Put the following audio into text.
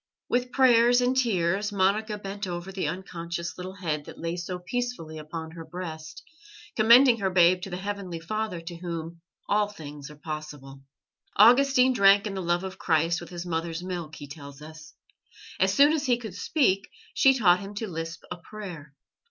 With prayers and tears, Monica bent over the unconscious little head that lay so peacefully upon her breast, commending her babe to the Heavenly Father to Whom all things are possible. Augustine drank in the love of Christ with his mother's milk, he tells us. As soon as he could speak, she taught him to lisp a prayer.